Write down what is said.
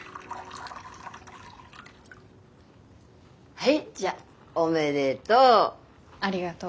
はいじゃあおめでとう。